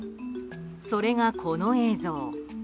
それがこの映像。